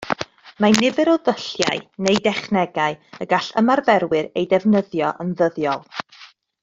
Mae nifer o ddulliau neu dechnegau y gall ymarferwyr eu defnyddio yn ddyddiol